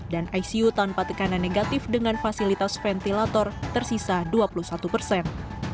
dan icu tanpa tekanan negatif dengan fasilitas ventilator tersisa dua puluh satu persen